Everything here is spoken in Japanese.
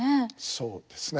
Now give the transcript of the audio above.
そうですね。